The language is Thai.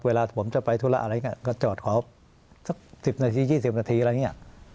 เวลาผมจะไปทุละอะไรแบบนี้ก็จอดขวาง๑๐นาที๒๐นาที